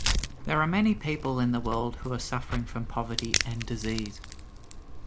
There are many people in the world who are suffering from poverty and disease.